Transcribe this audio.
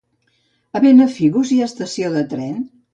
A Benafigos hi ha estació de tren?